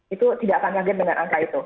itu tidak akan kaget dengan angka itu